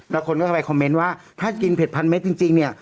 แล้วคนก็เข้าไปคอมเมนต์ว่าถ้ากินเผ็ดพันเมตรจริงเนี่ย